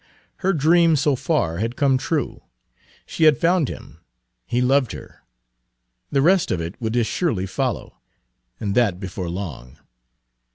Her dream so far had come true. She had found him, he loved her. The rest of it would as surely follow, and that before long.